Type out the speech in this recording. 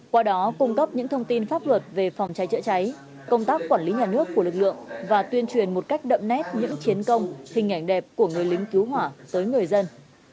qua đó cung cấp những thông tin pháp luật về phòng cháy chữa cháy công tác quản lý nhà nước của lực lượng và tuyên truyền một cách đậm nét những chiến công hình ảnh đẹp của người lính cứu hỏa tới người dân